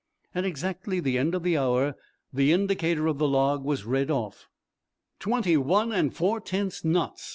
At exactly the end of the hour the indicator of the log was read off. "Twenty one and four tenths knots!"